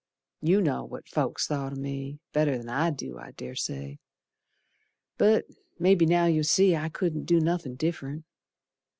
You know what folks thought o' me Better'n I do, I dessay, But mebbe now you'll see I couldn't do nothin' diff'rent.